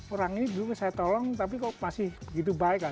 orang ini dulu saya tolong tapi kok masih begitu baik lah